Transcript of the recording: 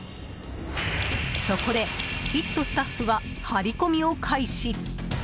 そこで「イット！」スタッフは張り込みを開始。